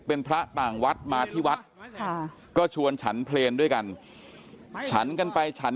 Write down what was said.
เป็นพระต่างวรรดิมาที่วัดก็ชวนฉันเตรนด้วยกัน